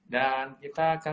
dan kita akan